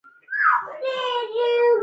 د خپلې خوښې بنسټونه جوړ کړي.